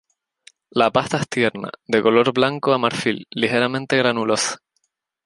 La pasta es tierna, de color blanco a marfil, ligeramente granulosa.